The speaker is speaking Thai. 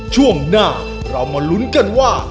ช่วงหน้าเรามาลุ้นกันว่า